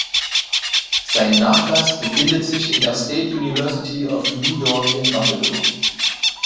Sein Nachlass befindet sich in der State University of New York in Buffalo.